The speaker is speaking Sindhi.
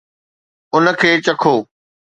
ان کي چکو